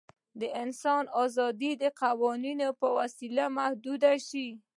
د انسان آزادي د قوانینو په وسیله محدوده شوې.